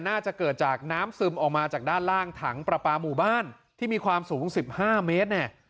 น่าจะเกิดจากน้ำซึมออกมาจากด้านล่างถังประปาหมู่บ้านที่มีความสูง๑๕เมตรเนี่ย